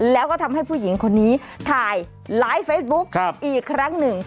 แล้วก็ทำให้ผู้หญิงคนนี้ถ่ายไลฟ์เฟซบุ๊คอีกครั้งหนึ่ง